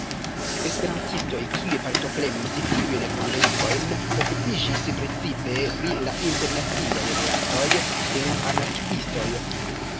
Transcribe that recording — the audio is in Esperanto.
Esperantistoj, kiuj partoprenis tiujn kongresojn, okupiĝis precipe pri la internaciaj rilatoj de la anarkiistoj.